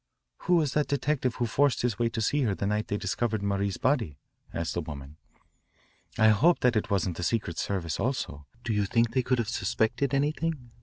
"Who was that detective who forced his way to see her the night they discovered Marie's body?" asked the woman. "I hope that that wasn't the Secret Service also. Do you think they could have suspected anything?"